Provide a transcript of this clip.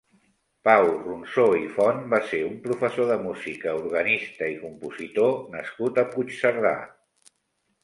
Pau Ronsó i Font va ser un professor de música, organista i compositor nascut a Puigcerdà.